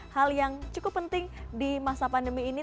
hal yang cukup penting di masa pandemi ini